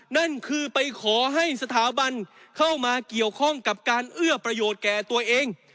นั่นคือไปขอให้สถาบันเข้ามาเกี่ยวข้องกับการเอื้อประโยชน์แก่ตัวเอง